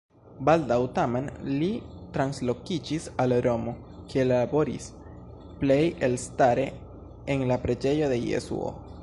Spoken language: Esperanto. Baldaŭ tamen li translokiĝis al Romo, kie laboris, plej elstare en la preĝejo de Jesuo.